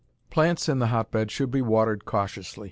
Plants in the hotbed should be watered cautiously.